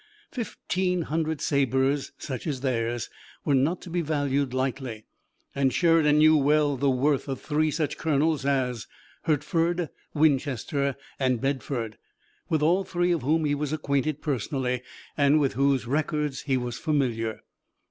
Fifteen hundred sabers such as theirs were not to be valued lightly, and Sheridan knew well the worth of three such colonels as Hertford, Winchester and Bedford, with all three of whom he was acquainted personally, and with whose records he was familiar.